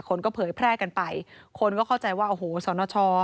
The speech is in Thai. คนก็เผยแพร่กันไปคนก็เข้าใจว่าโอ้โหสนช